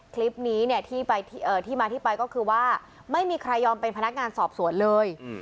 คลิปนี้เนี่ยที่มาที่ไปก็คือว่าไม่มีใครยอมเป็นพนักงานสอบสวนเลย